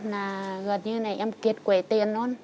là gần như này em kiệt quệ tiền luôn